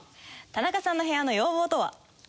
田中さんの部屋の要望とは？